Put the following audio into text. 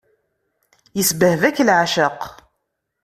Isbehba-k leεceq.